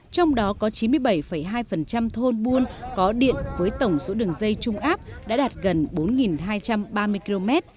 trong đó có chín mươi bảy hai thôn buôn có điện với tổng số đường dây trung áp đã đạt gần bốn hai trăm ba mươi km